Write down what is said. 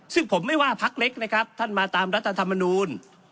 ซึ่งผมไม่ว่าพักเล็กนะครับท่านมาตามรัฐธรรมนูล